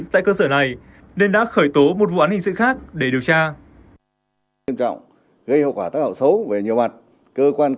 tại cơ sở này nên đã khởi tố một vụ án hình sự khác để điều tra